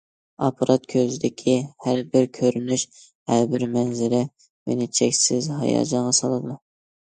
ئاپپارات كۆزىدىكى ھەر بىر كۆرۈنۈش، ھەر بىر مەنزىرە مېنى چەكسىز ھاياجانغا سالىدۇ.